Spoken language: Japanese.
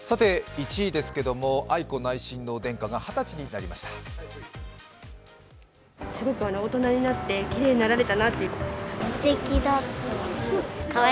１位ですけど、愛子内親王殿下が二十歳になりました。